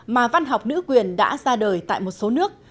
mà văn học nữ quyền đã ra đời tại một số nước